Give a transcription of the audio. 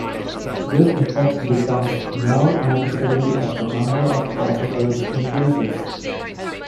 This effect becomes more noticeable as the number of processors increases.